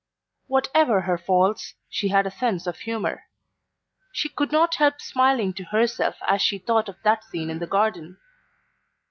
Whatever her faults, she had a sense of humour. She could not help smiling to herself as she thought of that scene in the garden.